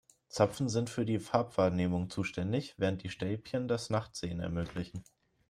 Zapfen sind für die Farbwahrnehmung zuständig, während die Stäbchen das Nachtsehen ermöglichen.